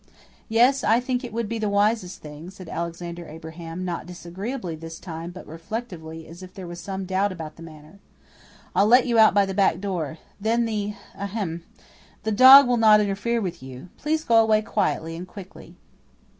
"Yes, I think it would be the wisest thing," said Alexander Abraham not disagreeably this time, but reflectively, as if there was some doubt about the matter. "I'll let you out by the back door. Then the ahem! the dog will not interfere with you. Please go away quietly and quickly."